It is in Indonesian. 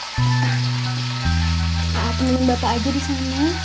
bapak aja disana